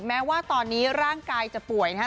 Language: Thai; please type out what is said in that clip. แม้ว่าตอนนี้ร่างกายจะป่วยนะครับ